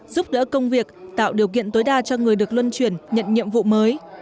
giúp đỡ công việc tạo điều kiện tối đa cho người được luân chuyển nhận nhiệm vụ mới